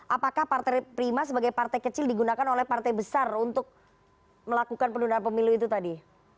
apakah partai prima sebagai partai kecil digunakan oleh partai besar untuk melakukan penundaan pemilu itu tadi